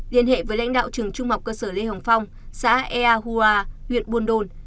liên hệ với lãnh đạo trường trung học cơ sở lê hồng phong xã ea hua huyện buôn đôn